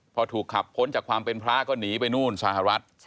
พอถูกขับพ้นจากความเป็นพระก็หนีไปนู่นสหรัฐ